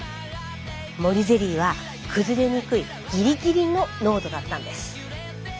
森ゼリーは崩れにくいぎりぎりの濃度だったんです。